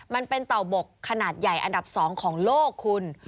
มันเป็นเต่าบกขนาดใหญ่อันดับ๒ของโลกคุณ